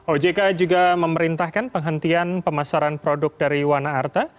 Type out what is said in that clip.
ojk juga memerintahkan penghentian pemasaran produk dari wana arta